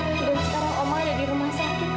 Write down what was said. dan sekarang omar ada di rumah sakit